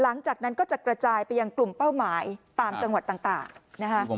หลังจากนั้นก็จะกระจายไปยังกลุ่มเป้าหมายตามจังหวัดต่างนะคะ